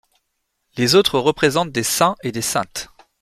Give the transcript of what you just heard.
Les autres représentent des saints et des saintes.